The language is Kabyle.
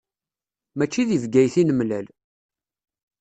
Mačči di Bgayet i nemlal.